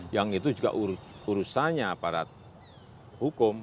yang itu juga urusannya aparat hukum